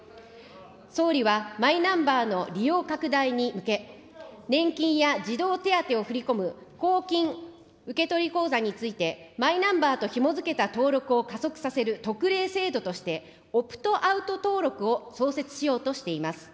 総理はマイナンバーの利用拡大に向け、年金や児童手当を振り込む公金受取口座について、マイナンバーとひもづけた登録を加速させる特例制度として、オプトアウト登録を創設しようとしています。